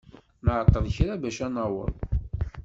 Nɛeṭṭel kra bac ad naweḍ.